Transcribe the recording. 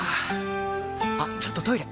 あっちょっとトイレ！